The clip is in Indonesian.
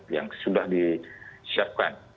yang sudah disiapkan